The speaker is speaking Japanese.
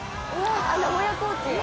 名古屋コーチン！